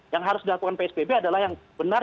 yang harus dilakukan psbb adalah yang benar